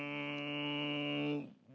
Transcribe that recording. うん。